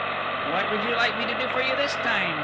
"What would you like me to do for you this time?"